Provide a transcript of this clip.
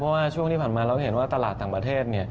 เพราะว่าช่วงที่ผ่านมาเราเห็นว่าตลาดต่างประเทศ